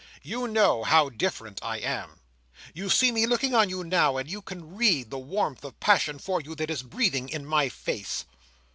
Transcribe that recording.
"You know how different I am. You see me looking on you now, and you can read the warmth of passion for you that is breathing in my face."